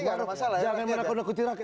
jangan menakut nakuti rakyat